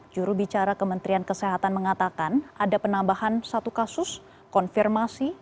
jurubicara kementerian kesehatan mengatakan ada penambahan satu kasus konfirmasi